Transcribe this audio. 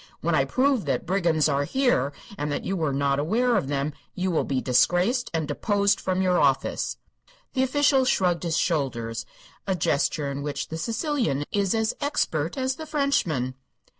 When I prove that brigands are here and that you were not aware of them, you will be disgraced and deposed from your office." The official shrugged his shoulders, a gesture in which the Sicilian is as expert as the Frenchman.